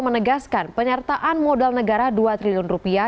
menegaskan penyertaan modal negara dua triliun rupiah